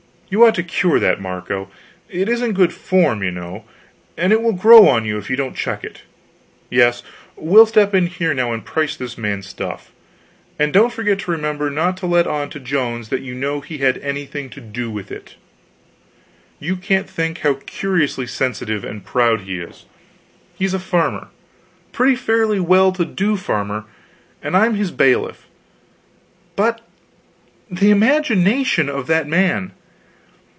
You ought to cure that, Marco; it isn't good form, you know, and it will grow on you if you don't check it. Yes, we'll step in here now and price this man's stuff and don't forget to remember to not let on to Jones that you know he had anything to do with it. You can't think how curiously sensitive and proud he is. He's a farmer pretty fairly well to do farmer and I'm his bailiff; but the imagination of that man!